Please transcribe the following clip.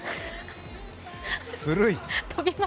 古い。